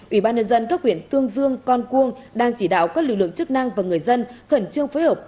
ủy ban nhân dân các huyện tương dương con cuông đang chỉ đạo các lực lượng chức năng và người dân khẩn trương phối hợp